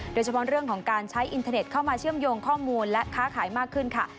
โดยเฉพาะเรื่องของการใช้อินเทอร์เน็ตเข้ามาเชื่อมโยงข้อมูลและค้าขายมากขึ้นค่ะ